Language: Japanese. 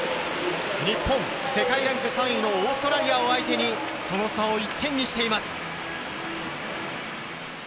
日本、世界ランク３位のオーストラリアを相手にその差を１点にしています。